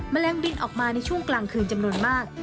แมลงบินออกมาในช่วงกลางคืนจำนวนมาก